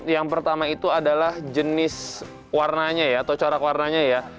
yang pertama itu adalah jenis warnanya ya atau corak warnanya ya